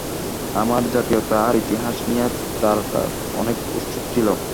আমার জাতীয়তা আর ইতিহাস নিয়ে তারা অনেক উৎসুক ছিল।